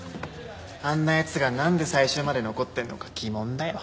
あんな奴がなんで最終まで残ってるのか疑問だよ。